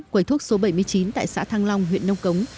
quầy thuốc số bảy mươi chín tại xã thăng long huyện nông cống